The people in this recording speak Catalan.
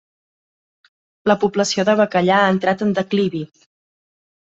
La població de bacallà ha entrat en declivi.